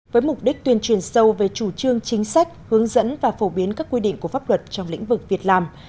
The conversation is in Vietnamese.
với mục đích tuyên truyền sâu về chủ trương chính sách hướng dẫn và phổ biến các quy định của pháp luật trong lĩnh vực việc làm